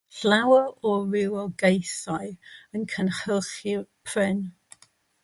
Mae llawer o rywogaethau yn cynhyrchu pren.